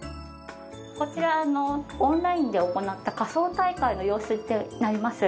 こちらオンラインで行った仮装大会の様子となります。